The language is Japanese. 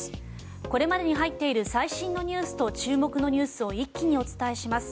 これまでに入っている最新ニュースと注目ニュースを一気にお伝えします。